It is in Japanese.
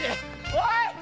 おい！